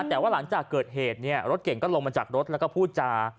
แต่ว่าหลังจากเกิดเหตุเนี่ยรถเก่งก็ลงมาจากรถแล้วก็พูดจา